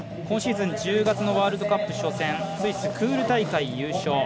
今シーズン１０月のワールドカップ初戦スイスクール大会優勝。